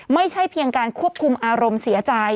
ไม่ใช่เพียงการควบคุมอารมณ์เสียใจ